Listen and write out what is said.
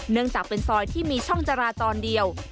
จากเป็นซอยที่มีช่องจราจรเดียว